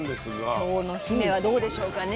今日の姫はどうでしょうかね。